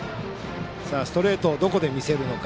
ストレートをどこで見せるのか。